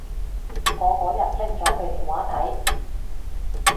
我嗰日拎咗佢電話睇